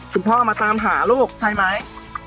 คุณพ่อมาตามหาลูกใช่ไหม